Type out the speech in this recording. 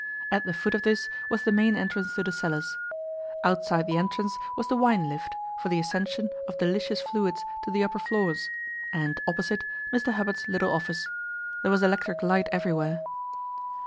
At the foot of this was the main entrance to the cellars. Outside the entrance was the wine lift, for the ascension of delicious fluids to the upper floors, and, opposite, Mr Hubbard's little office. There was electric light everywhere.